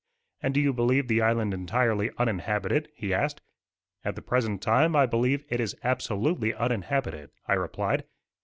"And do you believe the island entirely uninhabited?" he asked. "At the present time I believe it is absolutely uninhabited," I replied.